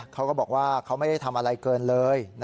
เขาก็บอกว่าเขาไม่ได้ทำอะไรเกินเลย